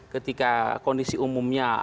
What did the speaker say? ketika kondisi umumnya berubah